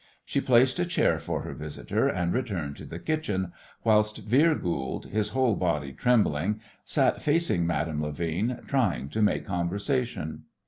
She placed a chair for her visitor, and returned to the kitchen, whilst Vere Goold, his whole body trembling, sat facing Madame Levin, trying to make conversation.